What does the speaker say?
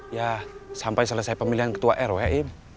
ya sampai selesai pemilihan ketua rw